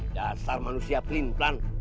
dasar manusia pelin pelan